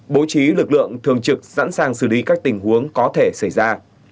bố trí lực lượng thường trực sẵn sàng xử lý các tình huống có thể xảy ra